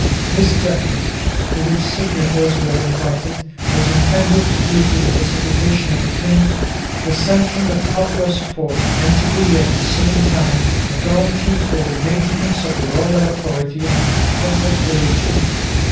This document, to which signatures were invited, was intended to give to the Pacification of Ghent the sanction of popular support and to be at the same time a guarantee for the maintenance of the royal authority and the Catholic religion.